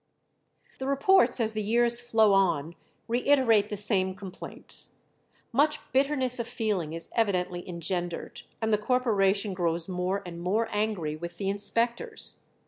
The reports as the years flow on reiterate the same complaints. Much bitterness of feeling is evidently engendered, and the corporation grows more and more angry with the inspectors.